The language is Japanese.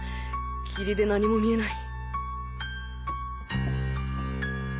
霧で何も見えない